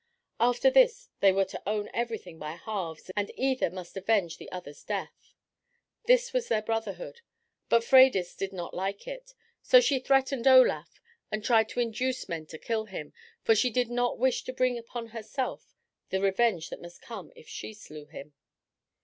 After this they were to own everything by halves and either must avenge the other's death. This was their brotherhood; but Freydis did not like it; so she threatened Olaf, and tried to induce men to kill him, for she did not wish to bring upon herself the revenge that must come if she slew him.